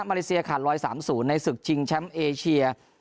มารีเซียขัด๑๓๐ในศึกชิงแชมป์เอเชีย